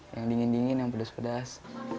yang dingin dingin yang pedas pedas